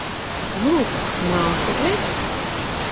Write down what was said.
Lūk, nāku es!